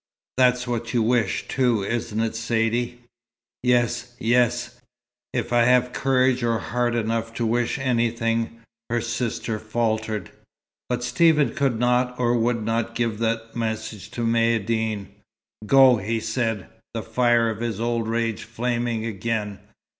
That's what you wish, too, isn't it, Saidee?" "Yes yes, if I have courage or heart enough to wish anything," her sister faltered. But Stephen could not or would not give that message to Maïeddine. "Go," he said, the fire of his old rage flaming again.